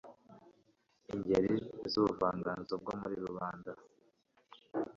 Ingeri z'ubuvanganzo bwo muri rubanda.